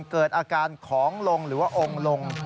เกิดอาการของลงหรือว่าองค์ลง